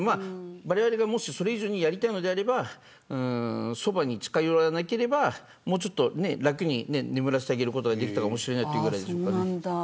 われわれが、もしそれ以上にやりたいのであればそばに近寄らなければもうちょっと楽に眠らせてあげることができたかもしれないぐらいです。